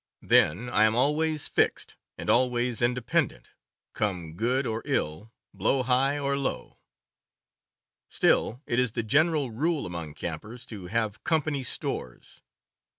OUTFITTING 5 Then I am always "fixed," and always independent, come good or ill, blow high or low. Still, it is the general rule among campers to have "company stores."